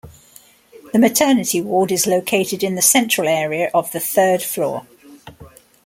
The maternity ward is located in the central area of the third floor.